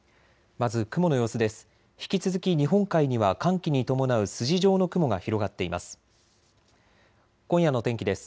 まず雲の様子です。